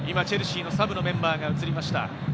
チェルシーのサブのメンバーが映りました。